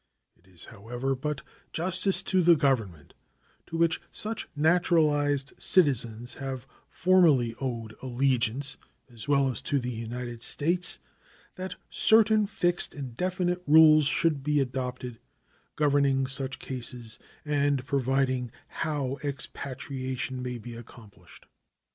It is, however, but justice to the government to which such naturalized citizens have formerly owed allegiance, as well as to the United States, that certain fixed and definite rules should be adopted governing such cases and providing how expatriation may be accomplished.